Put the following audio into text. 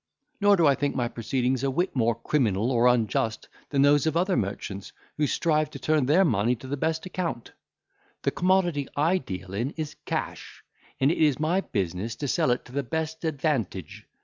Nor do I think my proceedings a whit more criminal or unjust than those of other merchants, who strive to turn their money to the best account. The commodity I deal in is cash; and it is my business to sell it to the best advantage.